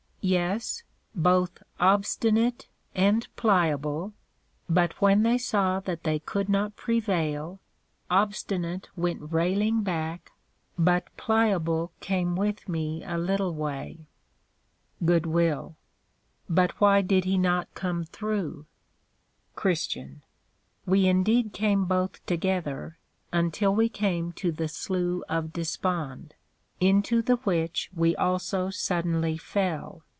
Yes, both Obstinate and Pliable; but when they saw that they could not prevail, Obstinate went railing back, but Pliable came with me a little way. GOOD WILL. But why did he not come through? CHR. We indeed came both together, until we came to the Slough of Dispond, into the which we also suddenly fell.